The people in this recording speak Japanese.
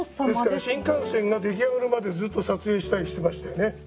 ですから新幹線が出来上がるまでずっと撮影したりしてましたよね。